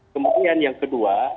kemudian yang kedua